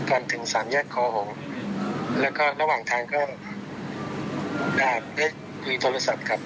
อะไรอยู่ด้านหลังทำไม่ได้ครับ